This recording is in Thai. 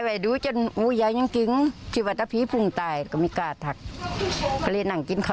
หินหวินประตูหินค่ะ